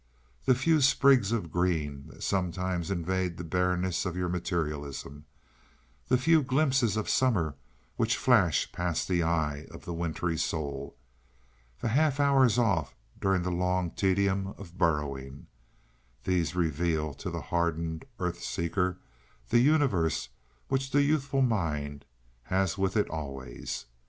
The few sprigs of green that sometimes invade the barrenness of your materialism, the few glimpses of summer which flash past the eye of the wintry soul, the half hours off during the long tedium of burrowing, these reveal to the hardened earth seeker the universe which the youthful mind has with it always.